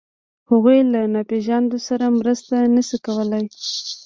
هغوی له ناپېژاندو سره مرسته نهشي کولی.